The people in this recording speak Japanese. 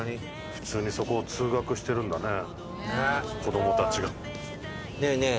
普通にそこを通学してるんだね子どもたちが。ねえねえ。